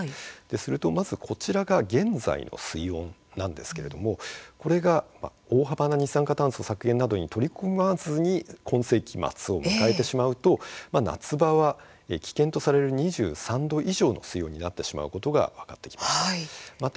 するとこちらが現在の水温なんですがこれが大幅な二酸化炭素の削減などに取り組まずに今世紀末を迎えてしまうと夏場は危険とされる２３度以上の水温になってしまうことが分かっています。